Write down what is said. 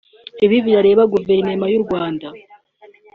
Ibi birareba Guverinoma y’u Rwanda